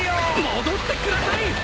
戻ってください！